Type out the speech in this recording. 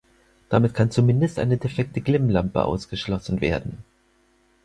Damit kann zumindest eine defekte Glimmlampe ausgeschlossen werden.